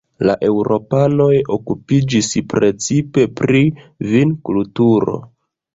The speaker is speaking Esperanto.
La eŭropanoj okupiĝis precipe pri vinkulturo.